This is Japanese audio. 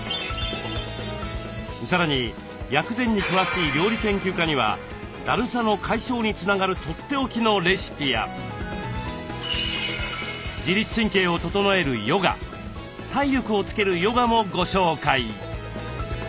さらに薬膳に詳しい料理研究家にはだるさの解消につながるとっておきのレシピや自律神経を整えるヨガ体力をつけるヨガもご紹介。